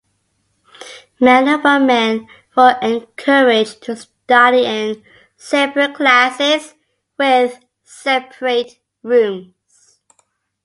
Men and women were encouraged to study in separate classes with separate rooms.